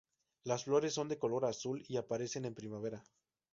Las flores son de color azul y aparecen en primavera.